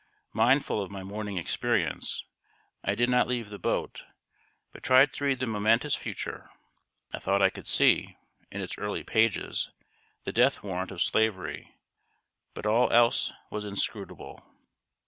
Mindful of my morning experience, I did not leave the boat, but tried to read the momentous Future. I thought I could see, in its early pages, the death warrant of Slavery; but all else was inscrutable.